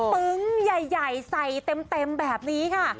ปึ๊งใหญ่ใส่เต็มแบบนี้ค่ะ